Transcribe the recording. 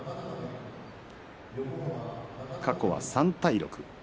過去は３対６。